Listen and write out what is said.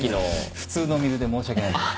普通の水で申し訳ないんだけど。